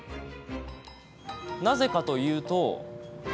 なぜかというと。